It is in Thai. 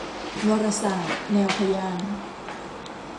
วรศาสส์ แนวพญา